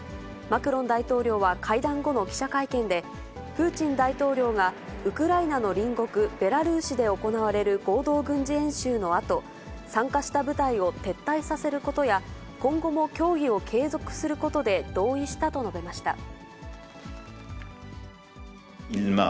マクロン大統領は会談後の記者会見で、プーチン大統領がウクライナの隣国ベラルーシで行われる合同軍事演習のあと、参加した部隊を撤退させることや、今後も協議を継続することで同意したと述べました。